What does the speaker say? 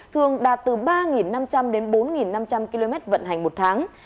thường đạt từ ba năm trăm linh đến bốn năm trăm linh km vận hành một tháng